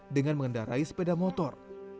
dengan mengendarai sepeda motor